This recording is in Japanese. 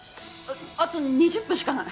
あと２０分しかない！